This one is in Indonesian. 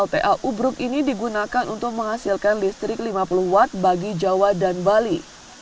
ta ubruk ini digunakan untuk menghasilkan listrik lima puluh watt bagi jawa dan bali